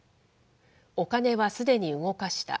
お金はすでに動かした。